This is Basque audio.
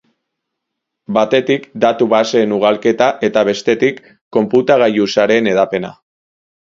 Batetik, datu baseen ugalketa eta bestetik konputagailu-sareen hedapena.